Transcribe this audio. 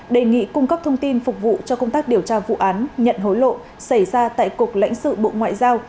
đề nghị cung cấp thông tin phục vụ cho công tác điều tra vụ án nhận hối lộ xảy ra tại cục lãnh sự bộ ngoại giao